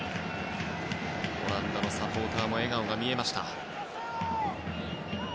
オランダのサポーターにも笑顔が見えました。